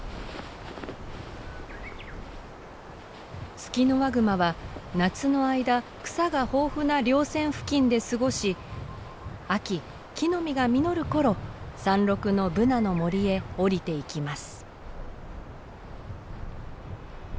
ツキノワグマは夏の間草が豊富な稜線付近で過ごし秋木の実が実る頃山麓のブナの森へ下りていきます。